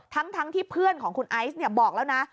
ทั้งที่เพื่อนของคุณไอซ์บอกแล้วนะ